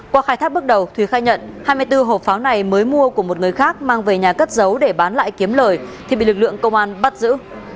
qua khai thác bước đầu thùy khai nhận hai mươi bốn hộp pháo này mới mua của một người khác mang về nhà cất giấu để bán lại kiếm lời thì bị lực lượng công an bắt giữ